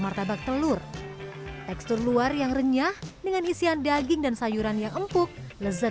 martabak telur tekstur luar yang renyah dengan isian daging dan sayuran yang empuk lezat